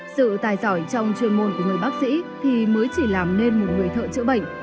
sự tài giỏi trong chuyên môn của người bác sĩ thì mới chỉ làm nên một người thợ chữa bệnh